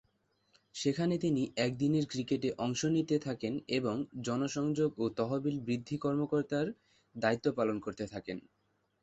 সেখানে তিনি একদিনের ক্রিকেটে অংশ নিতে থাকেন এবং জনসংযোগ ও তহবিল বৃদ্ধি কর্মকর্তার দায়িত্ব পালন করতে থাকেন।